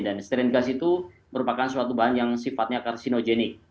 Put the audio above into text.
dan steren gas itu merupakan suatu bahan yang sifatnya karsinogenik